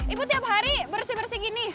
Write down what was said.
ibu tiap hari bersih bersih gini